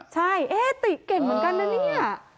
ใช่เอ๊ะติเก่งเหมือนกันนะเนี่ย